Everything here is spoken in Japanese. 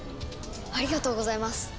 ありがとうございます。